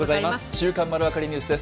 週刊まるわかりニュースです。